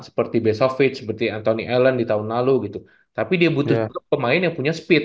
seperti besovits seperti anthony ellen di tahun lalu gitu tapi dia butuh juga pemain yang punya speed